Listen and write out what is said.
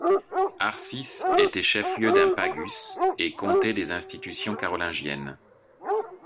Arcis était chef-lieu d'un pagus et comté des institutions carolingiennes.